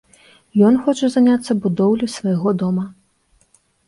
Ён хоча заняцца будоўляй свайго дома.